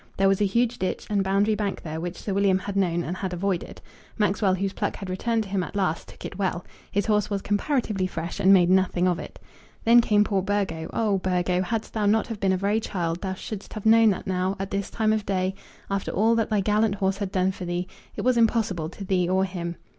There was a huge ditch and boundary bank there which Sir William had known and had avoided. Maxwell, whose pluck had returned to him at last, took it well. His horse was comparatively fresh and made nothing of it. Then came poor Burgo! Oh, Burgo, hadst thou not have been a very child, thou shouldst have known that now, at this time of the day, after all that thy gallant horse had done for thee, it was impossible to thee or him.